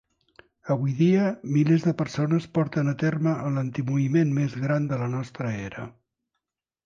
"Avui dia, milers de persones porten a terme el antimoviment més gran de la nostra era."